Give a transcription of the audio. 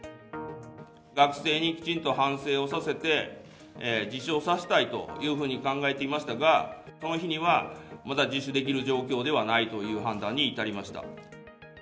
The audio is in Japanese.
学生にきちんと反省をさせて、自首をさせたいというふうに考えていましたが、その日にはまだ自首できる状況ではないという判断に至りました。